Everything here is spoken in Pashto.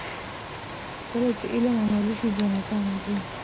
کله چې علم عملي شي، ژوند اسانه شي.